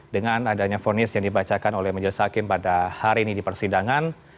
dengan adanya fonis yang dibacakan oleh majelis hakim pada hari ini di persidangan